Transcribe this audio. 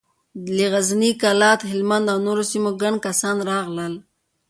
له غزني، کلات، هلمند او نورو سيمو ګڼ کسان راغلل.